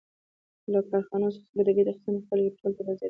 له کارخانو څخه د ګټې اخیستنې په پایله کې تولیدات زیاتېږي